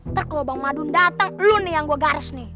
ntar kalau bang madun datang lu nih yang gue garis nih